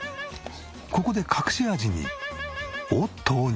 ここで隠し味にを投入。